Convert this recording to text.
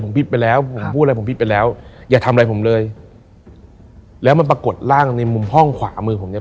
ผมผิดไปแล้วผมพูดอะไรผมผิดไปแล้วอย่าทำอะไรผมเลยแล้วมันปรากฏร่างในมุมห้องขวามือผมเนี้ย